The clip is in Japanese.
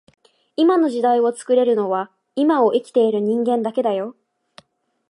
今の時代を作れるのは今を生きている人間だけだよ